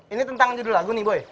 ini tentang judul lagu nih boy